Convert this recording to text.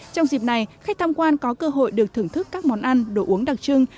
trong dịp này khách tham quan có cơ hội được thưởng thức các món ăn đồ uống đặc trưng